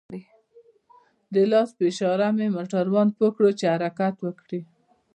د لاس په اشاره مې موټروان پوه كړ چې حركت وكړي.